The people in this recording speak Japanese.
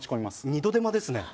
二度手間ですね。